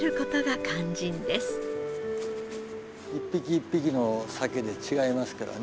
一匹一匹のサケで違いますからね。